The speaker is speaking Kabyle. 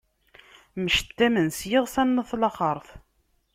Mcettamen s yiɣsan n at laxert.